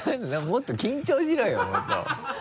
もっと緊張しろよもっと。